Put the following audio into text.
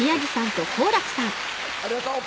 ありがとう！